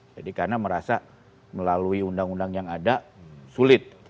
jadi karena merasa melalui undang undang yang ada sulit